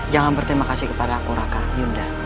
jangan berterima kasih kepada aku raka yunda